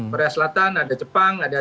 korea selatan ada jepang ada